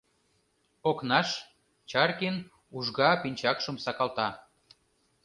Окнаш Чаркин ужга пинчакшым сакалта.